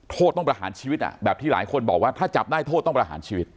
โทษต้องประหารชีวิตแบบที่หลายคนบอกว่าถ้าจับได้โทษต้องประหารชีวิต